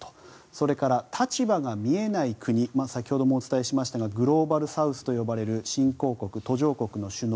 それから立場が見えない国先ほどもお伝えしましたがグローバルサウス新興国・途上国の首脳